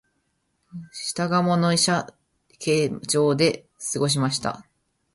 下鴨の社家町で過ごしました